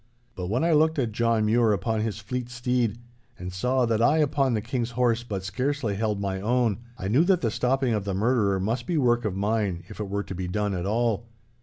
But when I looked at John Mure upon his fleet steed, and saw that I upon the King's horse but scarcely held mine own, I knew that the stopping of the murderer must be work of mine, if it were to be done at all.